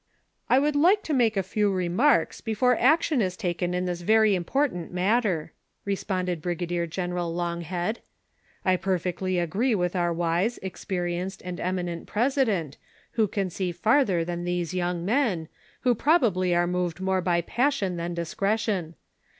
"I would like to make a few remarks, before action is taken in this very important matter," responded Briga dier General Longhead. " I perfe^^tly agree with our wise, experienced and eminent president, who can see farther than these young men, who probably are moved more by passion than discretion.